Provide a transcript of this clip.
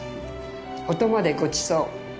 音までごちそう。